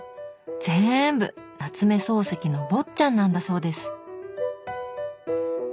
ぜんぶ夏目漱石の「坊っちゃん」なんだそうです。